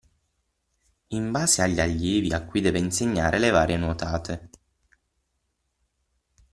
in base agli allievi a cui deve insegnare le varie nuotate.